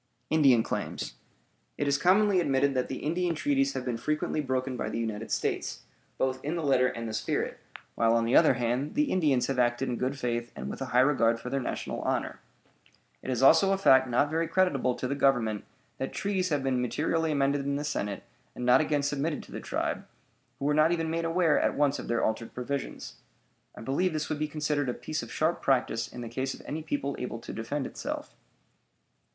INDIAN CLAIMS It is commonly admitted that the Indian treaties have been frequently broken by the United States, both in the letter and the spirit, while, on the other hand, the Indians have acted in good faith and with a high regard for their national honor. It is also a fact not very creditable to the Government that treaties have been materially amended in the Senate and not again submitted to the tribe, who were not even made aware at once of their altered provisions. I believe this would be considered a piece of sharp practice in the case of any people able to defend itself.